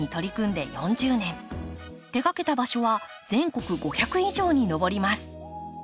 手がけた場所は全国５００以上に上ります。